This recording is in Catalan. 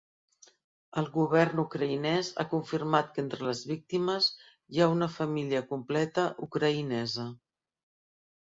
El govern ucraïnès ha confirmat que entre les víctimes hi ha una família completa ucraïnesa.